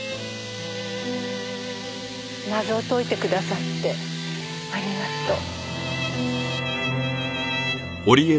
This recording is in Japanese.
謎を解いてくださってありがとう。